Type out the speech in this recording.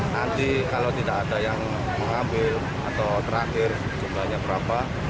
nanti kalau tidak ada yang mengambil atau terakhir jumlahnya berapa